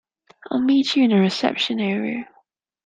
I'll meet you in the reception area.